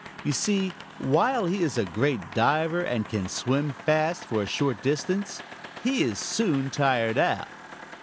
You see, while he is a great diver and can swim fast for a short distance, he is soon tired out.